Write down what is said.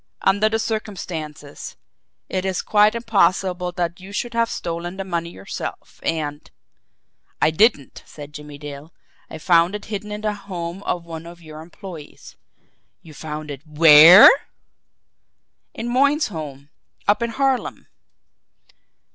Under the circumstances, it is quite impossible that you should have stolen the money yourself, and " "I didn't," said Jimmie Dale. "I found it hidden in the home of one of your employees." "You found it WHERE?" "In Moyne's home up in Harlem."